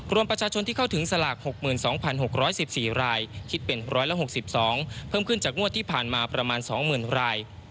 รวมประชาชนที่เข้าถึงสลาก๖๒๖๑๔รายคิดเป็น๑๖๒เพิ่มขึ้นจากงวดที่ผ่านมาประมาณ๒๐๐๐ราย